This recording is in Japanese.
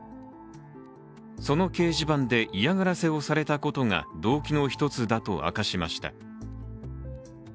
その掲示板で嫌がらせをされたことが動機の一つだと明かしました。